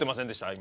今。